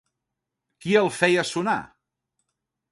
Qui el feia sonar?